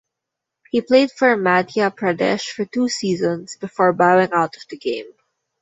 He played for Madhya Pradesh for two seasons before bowing out of the game.